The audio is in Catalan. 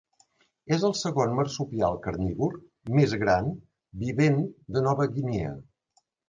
És el segon marsupial carnívor més gran vivent de Nova Guinea.